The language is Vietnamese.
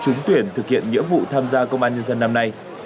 trúng tuyển thực hiện nhiệm vụ tham gia công an nhân dân năm nay